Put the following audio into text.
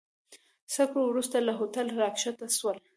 څه ګړی وروسته له هوټل راکښته سولو.